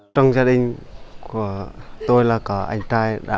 trong gia đình của tôi là có anh trai đã đi xuất khẩu